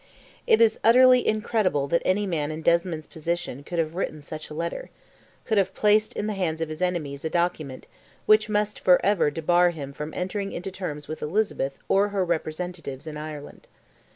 It is utterly incredible that any man in Desmond's position could have written such a letter—could have placed in the hands of his enemies a document which must for ever debar him from entering into terms with Elizabeth or her representatives in Ireland.